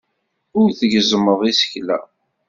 Ur tgezzmeḍ isekla.